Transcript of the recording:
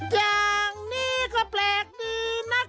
อย่างนี้ก็แปลกดีนะคะ